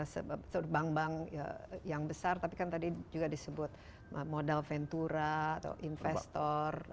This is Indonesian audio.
sebab bang bang yang besar tapi kan tadi juga disebut modal ventura atau investor crowdfunding